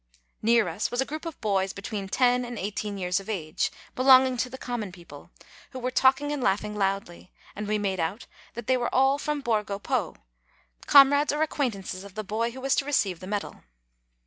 Near us was a group of boys, between ten and eighteen years of age, belonging to the common people, who were talking and laughing loudly; and we made out that they were all from Borgo Po, com rades or acquaintances of the boy who was to receive the medal.